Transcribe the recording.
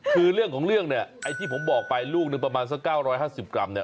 คือเรื่องของเรื่องที่ผมบอกไปลูกหนึ่งประมาณสัก๙๕๐กรัม